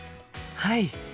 はい！